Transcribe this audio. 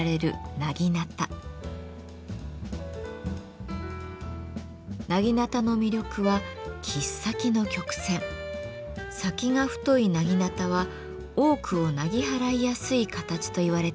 先が太い薙刀は多くを薙ぎ払いやすい形といわれています。